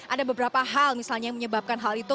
ada beberapa hal misalnya yang menyebabkan hal itu